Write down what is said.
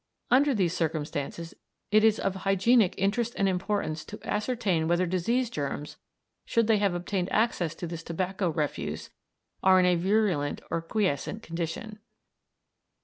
Under these circumstances, it is of hygienic interest and importance to ascertain whether disease germs, should they have obtained access to this tobacco refuse, are in a virulent or quiescent condition.